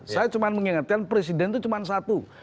saya cuma mengingatkan presiden itu cuma satu